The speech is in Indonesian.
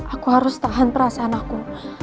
aku harus tahan perasaan aku